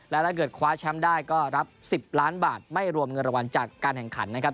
และถ้าเกิดคว้าแชมป์ได้ก็รับ๑๐ล้านบาทไม่รวมเงินรางวัลจากการแข่งขันนะครับ